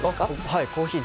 はいコーヒー